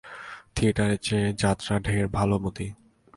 থিয়েটারের চেয়ে যাত্রা ঢের ভালো মতি।